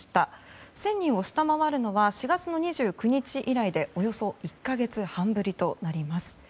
１０００人を下回るのは４月２９日以来でおよそ１か月半ぶりとなります。